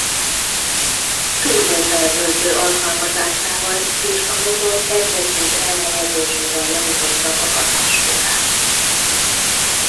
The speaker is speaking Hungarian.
Turbófeltöltő alkalmazásával és a motor kedvezőbb elhelyezésével javítottak a hatásfokán.